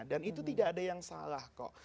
dan itu tidak ada yang salah kok